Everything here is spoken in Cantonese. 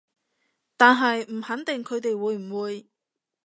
但係唔肯定佢哋會唔會